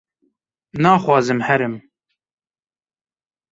naxwazim herim